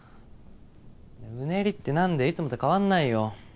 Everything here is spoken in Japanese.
うねりって何だよいつもと変わんないよ。